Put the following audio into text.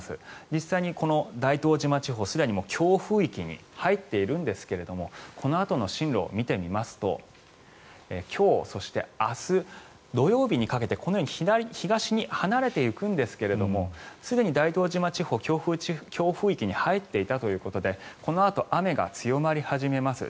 実際に大東島地方、すでに強風域に入っているんですがこのあとの進路を見てみますと今日、そして明日土曜日にかけて東に離れていくんですがすでに大東島地方強風域に入っていたということでこのあと雨が強まり始めます。